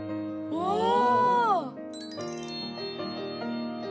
おお？